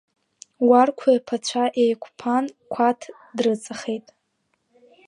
Уарқәа иԥацәа еиқәԥан Қәаҭ дрыҵахеит.